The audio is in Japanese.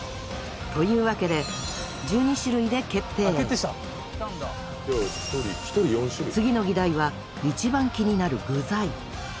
というわけで次の議題は一番気になる具材。